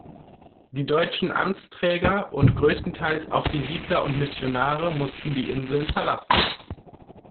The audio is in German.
Die deutschen Amtsträger und größtenteils auch die Siedler und Missionare mussten die Inseln verlassen.